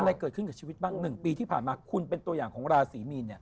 อะไรเกิดขึ้นกับชีวิตบ้าง๑ปีที่ผ่านมาคุณเป็นตัวอย่างของราศีมีนเนี่ย